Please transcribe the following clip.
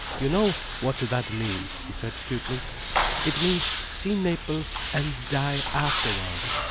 "You know what that means?" he said cutely. "It means see Naples and die afterwards.